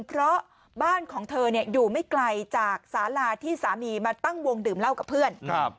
เพราะบ้านของเธออยู่ไม่ไกลจากสาลาที่สามีมาตั้งวงดื่มเหล้ากับเพื่อน